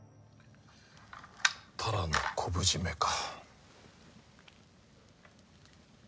たらの昆布締めか。